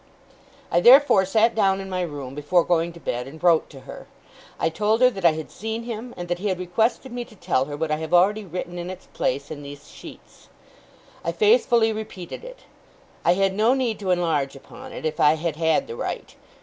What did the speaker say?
I therefore sat down in my room, before going to bed, and wrote to her. I told her that I had seen him, and that he had requested me to tell her what I have already written in its place in these sheets. I faithfully repeated it. I had no need to enlarge upon it, if I had had the right.